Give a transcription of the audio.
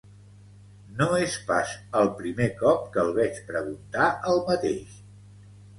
No és pas el primer cop que el veig preguntar el mateix